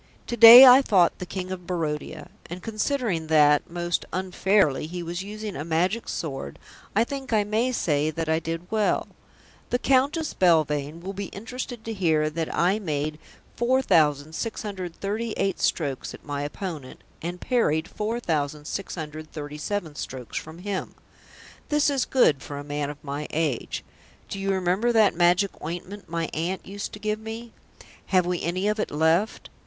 To day I fought the King of Barodia, and considering that, most unfairly, he was using a Magic Sword, I think I may say that I did well. The Countess Belvane will be interested to hear that I made 4,638 strokes at my opponent and parried 4,637 strokes from him. This is good for a man of my age. Do you remember that magic ointment my aunt used to give me? Have we any of it left?